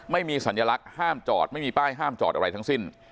ไม่มีสัญลักษณ์ห้ามจอดไม่มีป้ายห้ามจอดอะไรทั้งสิ้น